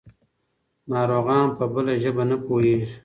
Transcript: ناروغان په بله ژبه نه پوهېږي.